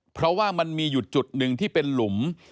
เพราะว่ามันมีอยู่จุดหนึ่งที่เป็นหลุม